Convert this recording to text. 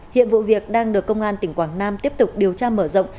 hiện vụ việc đang được công an tỉnh quảng nam tiếp tục điều tra mở rộng